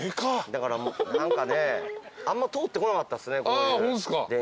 だから何かねあんま通ってこなかったですね